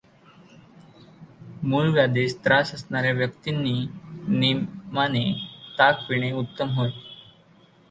मूळव्याधीचा त्रास असणाऱ्या व्यक् तींनी नेमाने ताक पिणे उत्तम होय.